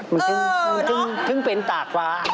มันถึงเป็นตากฟ้า